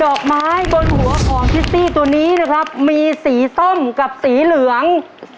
ดอกไม้บนหัวของคิสซี่ตัวนี้นะครับมีสีส้มกับสีเหลือง